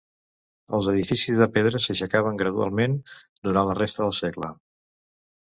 Els edificis de pedra s'aixecaven gradualment durant la resta del segle.